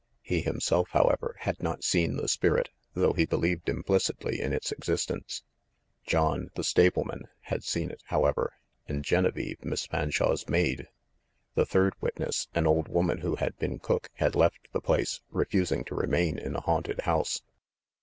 He himself, however, had not seen the spirit, though he believed implicitly in its existence. John, the stableman, had seen it, however, and Genevieve, Miss Fanshawe's maid. The third witness, an old woman who had been cook, had left the place, refus ing to remain in a haunted house.